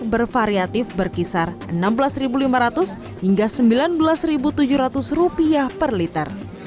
bervariatif berkisar enam belas lima ratus hingga sembilan belas tujuh ratus rupiah per liter